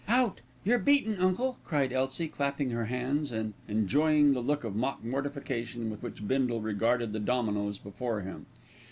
"Out! You're beaten, uncle," cried Elsie, clapping her hands, and enjoying the look of mock mortification with which Bindle regarded the dominoes before him.